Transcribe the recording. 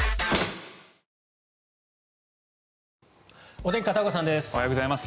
お天気、片岡さんです。